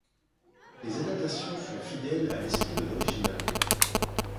Les adaptations sont fidèles à l'esprit de l'original.